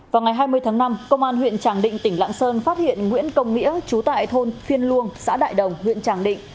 vào ngày hai mươi tháng năm công an huyện tràng định tỉnh lạng sơn phát hiện nguyễn công nghĩa chú tại thôn phiên luông xã đại đồng huyện tràng định